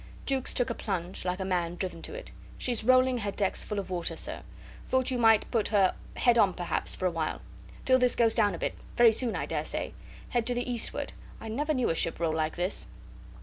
Jukes took a plunge, like a man driven to it. "She's rolling her decks full of water, sir. Thought you might put her head on perhaps for a while. Till this goes down a bit very soon, I dare say. Head to the eastward. I never knew a ship roll like this."